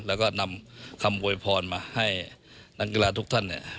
แล้วก็นำคำโวยพรมาให้นักกีฬาทุกท่านเนี่ย